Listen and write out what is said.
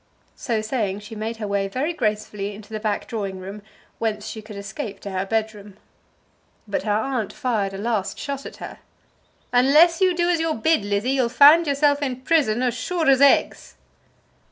So saying she made her way very gracefully into the back drawing room, whence she could escape to her bed room. But her aunt fired a last shot at her. "Unless you do as you're bid, Lizzie, you'll find yourself in prison as sure as eggs!"